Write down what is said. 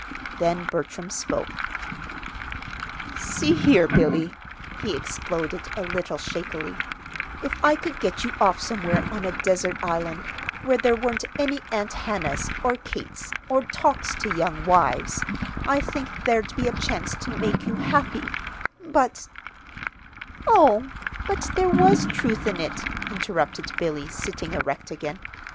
Then Bertram spoke. "See here, Billy," he exploded, a little shakily, "if I could get you off somewhere on a desert island, where there weren't any Aunt Hannahs or Kates, or Talks to Young Wives, I think there'd be a chance to make you happy; but " "Oh, but there was truth in it," interrupted Billy, sitting erect again.